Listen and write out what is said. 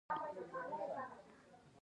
هغه ښکلي خبري کوي.